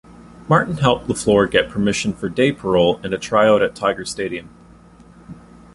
Martin helped LeFlore get permission for day-parole and a tryout at Tiger Stadium.